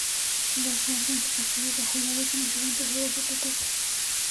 Las guardó en su castillo bajo llave como si de un tesoro se tratase.